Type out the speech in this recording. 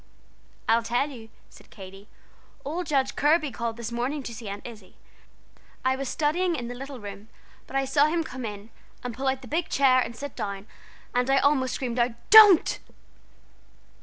"I'll tell you," said Katy. "Old Judge Kirby called this morning to see Aunt Izzie; I was studying in the little room, but I saw him come in, and pull out the big chair and sit down, and I almost screamed out 'don't!'"